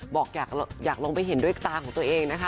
บอกอยากลงไปเห็นด้วยตาของตัวเองนะคะ